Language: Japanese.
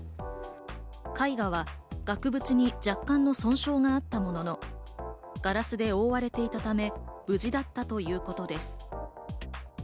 絵画は額縁に若干の損傷があったものの、ガラスで覆われていたため、無事だったということです。